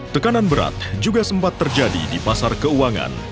tekanan berat juga sempat terjadi di pasar keuangan